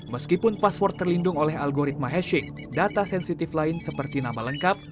meskipun password terlindung oleh algoritma hashing data sensitif lain seperti nama lengkap